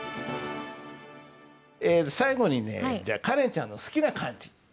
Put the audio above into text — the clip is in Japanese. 最後にねじゃあカレンちゃんの好きな漢字。